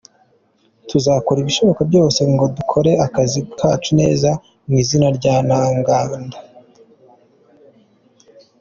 Tuzakora ibishoboka byose ngo dukore akazi kacu neza mu izina rya Ntaganda.